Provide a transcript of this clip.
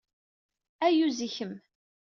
Ayyuz i kemm!